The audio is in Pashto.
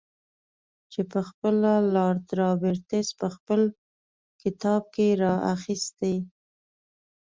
چې پخپله لارډ رابرټس په خپل کتاب کې را اخیستی.